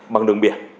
bằng đường biển